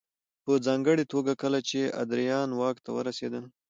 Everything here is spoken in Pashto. په ځانګړې توګه کله چې ادریان واک ته ورسېدل